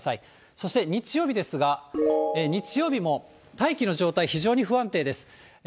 そして日曜日ですが、日曜日も大気の状態、非常に不安定です。